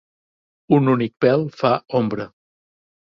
Un únic pel fa ombra.